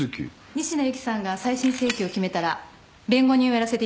仁科由貴さんが再審請求を決めたら弁護人をやらせていただきます。